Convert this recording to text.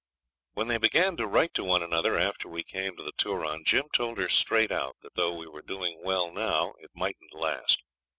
When they began to write to one another after we came to the Turon, Jim told her straight out that though we were doing well now it mightn't last.